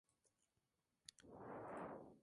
Se trata de un tipo común de espeleotemas.